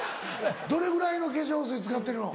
どれぐらいの化粧水使ってるの？